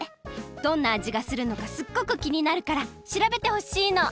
どんなあじがするのかすっごくきになるから調べてほしいの！